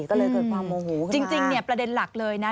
ก็เลยเกิดความโมหูขึ้นมาจริงจริงเนี่ยประเด็นหลักเลยนะ